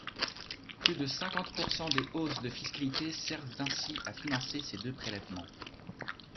Plus de cinquante pourcent des hausses de fiscalité servent ainsi à financer ces deux prélèvements.